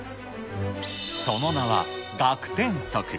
その名は、學天則。